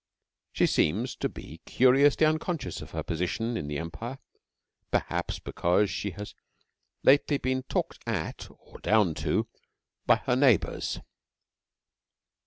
She seems to be curiously unconscious of her position in the Empire, perhaps because she has lately been talked at, or down to, by her neighbours.